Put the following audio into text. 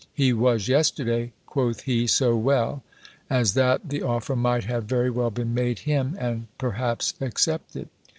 He was yesterday, quoth he, so well, as that the offer might have very well been made him, and perhaps accepted."